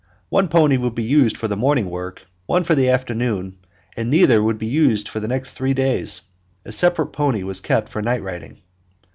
One pony would be used for the morning work, one for the afternoon, and neither would again be used for the next three days. A separate pony was kept for night riding.